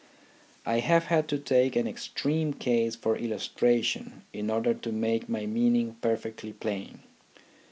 I have had to take an extreme case for illustration in order to make my meaning perfectly plain.